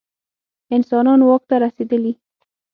انسانان واک ته رسېدلي.